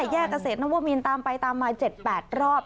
แยกเกษตรนวมินตามไปตามมา๗๘รอบ